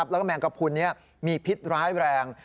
แล้วก็แมงกระพุนนี้มีพิษร้ายแรง